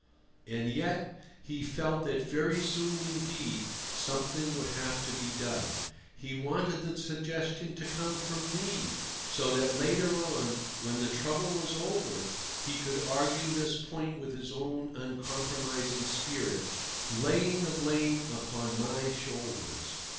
And yet he felt that very soon indeed something would have to be done. He wanted the suggestion to come from me, so that later on, when the trouble was over, he could argue this point with his own uncompromising spirit, laying the blame upon my shoulders.